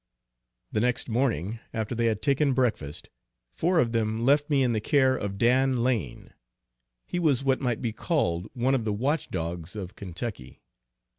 The next morning after they had taken breakfast, four of them left me in the care of Dan Lane. He was what might be called one of the watch dogs of Kentucky.